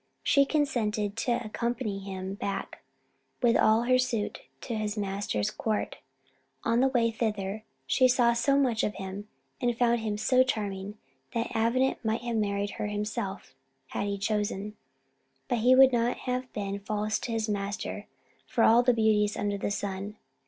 She consented to accompany him back, with all her suite, to his master's court. On the way thither, she saw so much of him, and found him so charming, that Avenant might have married her himself had he chosen; but he would not have been false to his master for all the beauties under the sun.